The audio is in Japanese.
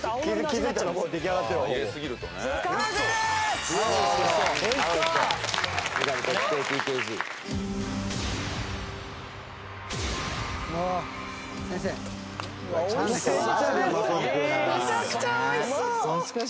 めちゃくちゃ美味しそう！」